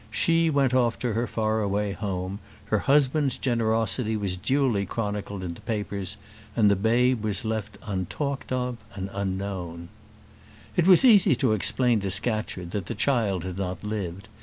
She went off to her far away home; her husband's generosity was duly chronicled in the papers, and the babe was left untalked of and unknown. It was easy to explain to Scatcherd that the child had not lived.